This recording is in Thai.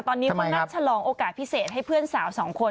ตอนนี้เขานัดฉลองโอกาสพิเศษให้เพื่อนสาวสองคน